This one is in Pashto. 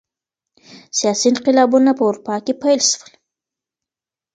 سیاسي انقلابونه په اروپا کي پیل سول.